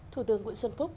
thủ tướng nguyễn xuân phúc